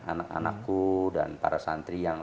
anak anakku dan para santri yang